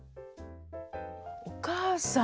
お母さん。